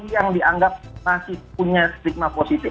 yang dianggap masih punya stigma positif